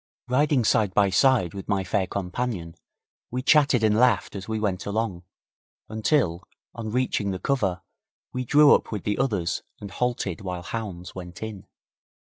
Riding side by side with my fair companion, we chatted and laughed as we went along, until, on reaching the cover, we drew up with the others and halted while hounds went in.